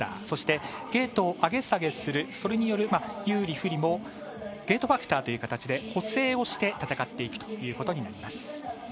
そして、ゲートを上げ下げするそれによる有利不利ゲートファクターも補正をして戦っていくということになります。